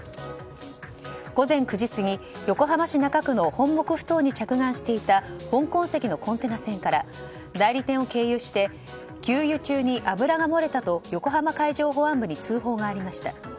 午前９時過ぎ横浜市中区の本牧ふ頭に着岸していた香港籍のコンテナ船から代理店を経由して給油中に油が漏れたと横浜海上保安部に通報がありました。